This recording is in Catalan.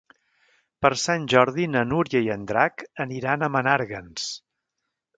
Per Sant Jordi na Núria i en Drac aniran a Menàrguens.